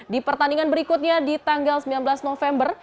di pertandingan berikutnya di tanggal sembilan belas november